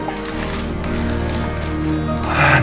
kamu mau makan yang mana